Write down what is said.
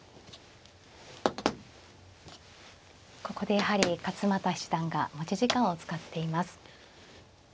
ここでやはり勝又七段が持ち時間を使っています。